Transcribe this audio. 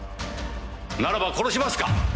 ならば殺しますか！